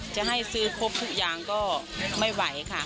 จะให้ซื้อครบทุกอย่างก็ไม่ไหวค่ะ